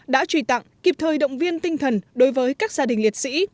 đã truy tặng kịp thời động viên tinh thần đối với các gia đình liệt sĩ